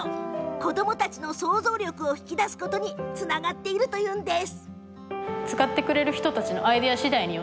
子どもたちの想像力を引き出すことにつながっているんです。